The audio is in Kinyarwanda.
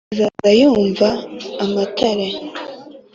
izaza yumva amatare